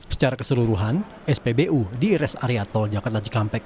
secara keseluruhan spbu di res area tol jakarta cikampek